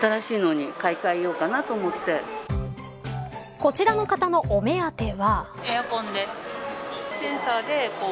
こちらの方の、お目当ては。